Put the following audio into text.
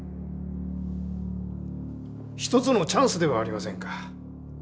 一つのチャンスではありませんか。